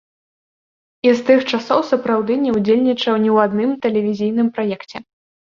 І з тых часоў сапраўды не ўдзельнічаў ні ў адным тэлевізійным праекце.